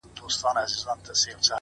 هره هڅه د بریا تخم شیندي،